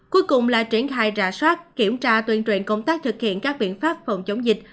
cuối cùng là triển khai rà soát kiểm tra tuyên truyền công tác thực hiện các biện pháp phòng chống dịch